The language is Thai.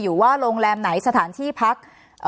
อยู่ว่าโรงแรมไหนสถานที่พัก